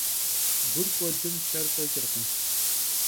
Gur k'uedım lher ş'eç'ırkhım.